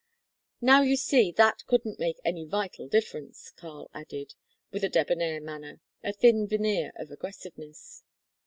"Now you see that couldn't make any vital difference," Karl added, with a debonair manner, a thin veneer of aggressiveness.